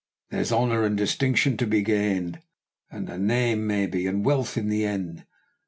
"There's honour and distinction to be gained, and a name, maybe, and wealth in the end.